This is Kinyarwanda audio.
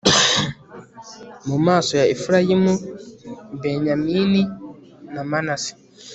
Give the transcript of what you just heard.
mu maso ya efurayimu, benyamini na manase